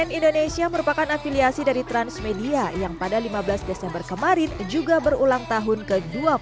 cnn indonesia merupakan afiliasi dari transmedia yang pada lima belas desember kemarin juga berulang tahun ke dua puluh satu